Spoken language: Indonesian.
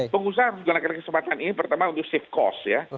pengusaha harus menggunakan kesempatan ini pertama untuk shift cost ya